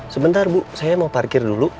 sebentar bu saya mau parkir dulu